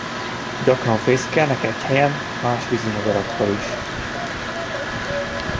Gyakran fészkelnek egy helyen más vízi madarakkal is.